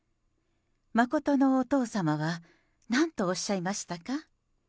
真のお父様はなんとおっしゃいましたか？